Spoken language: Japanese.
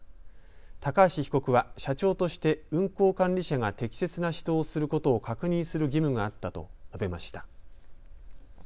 高橋被告は社長として運行管理者が適切な指導をすることを確認する義務があったと述べました。